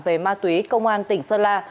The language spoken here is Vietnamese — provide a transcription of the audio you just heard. về ma túy công an tỉnh sơn la